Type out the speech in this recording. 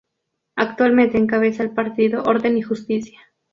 Actualmente encabeza el partido Orden y Justicia.